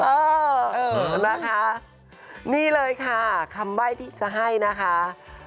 เออนะคะนี่เลยค่ะคำใบ้ที่จะให้นะคะ